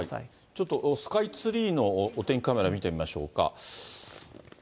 ちょっとスカイツリーのお天気カメラ見てみましょうか。